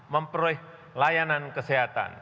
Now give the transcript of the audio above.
memperoleh layanan kesehatan